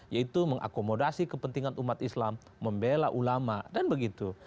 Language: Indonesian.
yaitu mengakomodasi kepentingan umat islam membela ulama dan begitu